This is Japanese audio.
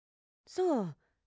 そう。